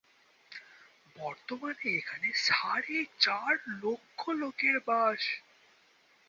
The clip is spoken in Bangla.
বর্তমানে এখানে সাড়ে চার লক্ষ লোকের বাস।